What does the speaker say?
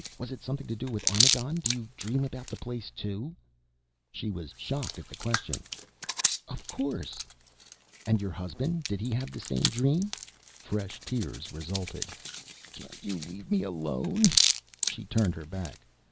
Was it something to do with Armagon? Do you dream about the place, too?" She was shocked at the question. "Of course!" "And your husband? Did he have the same dream?" Fresh tears resulted. "Can't you leave me alone?" She turned her back.